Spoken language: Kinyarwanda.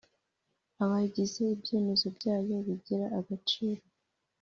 abayigize Ibyemezo byayo bigira agaciro